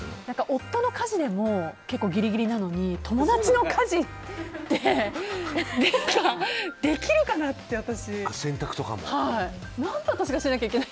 夫の家事でも結構ギリギリなのに友達の家事ってできるかなって私。